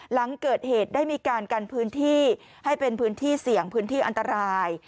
หลังเกิดเหตุได้มีการกันพื้นที่ให้เป็นพื้นที่เสี่ยงพื้นที่อันตราย